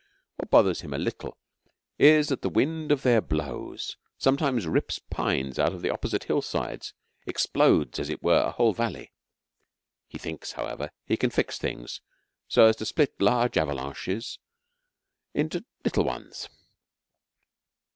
What bothers him a little is that the wind of their blows sometimes rips pines out of the opposite hill sides explodes, as it were, a whole valley. He thinks, however, he can fix things so as to split large avalanches into little ones.